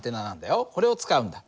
これを使うんだ。